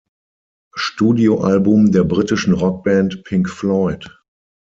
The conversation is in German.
Studioalbum der britischen Rockband Pink Floyd.